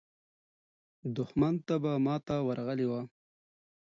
دښمن ته به ماته ورغلې وه.